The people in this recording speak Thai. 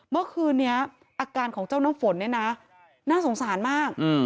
เมื่อคืนนี้อาการของเจ้าน้ำฝนเนี่ยนะน่าสงสารมาก